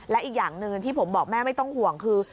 และอีกอย่างหนึ่งที่ผมบอกแม่ไม่ต้องห่วงคือ